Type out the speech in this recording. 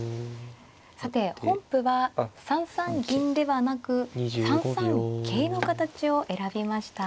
さて本譜は３三銀ではなく３三桂の形を選びました。